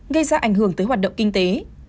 gây ra ảnh hưởng tới hoạt động kinh tế